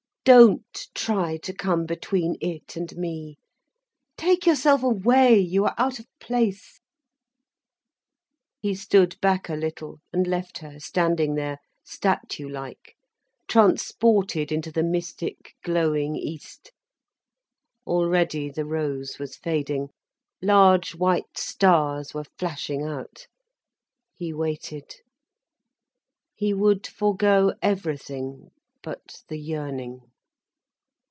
Don't try to come between it and me. Take yourself away, you are out of place—" He stood back a little, and left her standing there, statue like, transported into the mystic glowing east. Already the rose was fading, large white stars were flashing out. He waited. He would forego everything but the yearning.